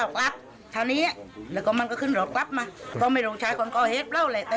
ก็ชมวงกว้าวะแหละ